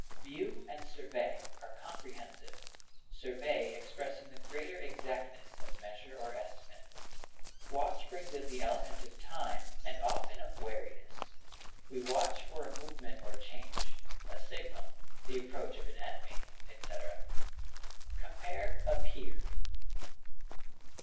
View and survey are comprehensive, survey expressing the greater exactness of measurement or estimate. Watch brings in the element of time and often of wariness; we watch for a movement or change, a signal, the approach of an enemy, etc. Compare APPEAR.